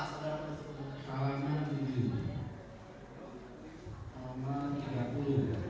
saya akan menyanyi